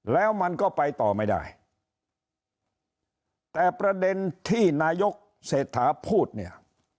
แล้วมันก็ไปต่อไม่ได้แต่ประเด็นที่นายกเศรษฐาพูดเนี่ย